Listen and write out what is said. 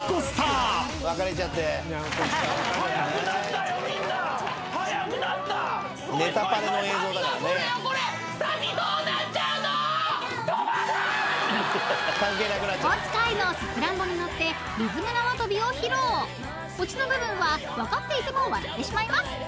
［オチの部分は分かっていても笑ってしまいます］